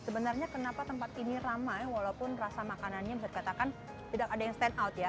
sebenarnya kenapa tempat ini ramai walaupun rasa makanannya bisa dikatakan tidak ada yang stand out ya